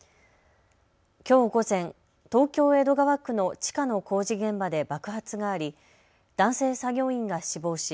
きょう午前、東京江戸川区の地下の工事現場で爆発があり男性作業員が死亡し